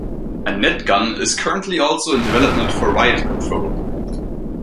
A net gun is currently also in development for riot control.